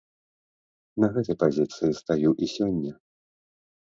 На гэтай пазіцыі стаю і сёння.